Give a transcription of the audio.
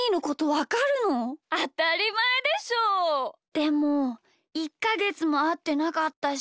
でもいっかげつもあってなかったし。